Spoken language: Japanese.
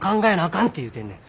かんって言うてんねん。